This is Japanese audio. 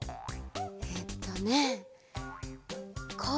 えっとねこ